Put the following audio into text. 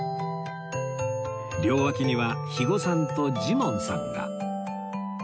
両脇には肥後さんとジモンさんが